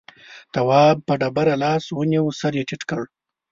تواب په ډبره لاس ونيو سر يې ټيټ کړ.